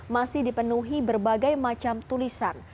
masih dipenuhi berbagai macam tulisan